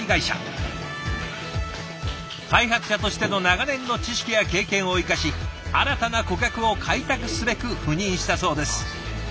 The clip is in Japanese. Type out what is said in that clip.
開発者としての長年の知識や経験を生かし新たな顧客を開拓すべく赴任したそうです。